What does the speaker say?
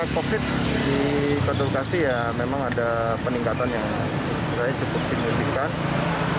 covid di kota bekasi ya memang ada peningkatan yang cukup signifikan